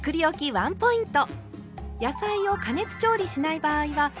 ワンポイント。